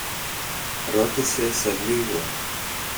ρώτησε σε λίγο.